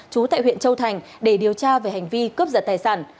chú tại huyện châu thành để điều tra về hành vi cướp giật tài sản